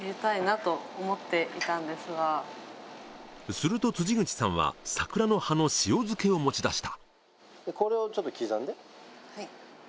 すると辻口さんは桜の葉の塩漬けを持ち出した。